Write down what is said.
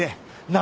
何？